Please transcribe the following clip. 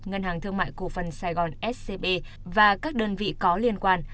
ngân hàng thương mại cổ phần sài gòn scb và các đơn vị có liên quan